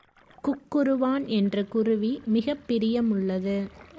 குக்குறுவான் என்ற குருவி மிகப் பிரியமுள்ளது.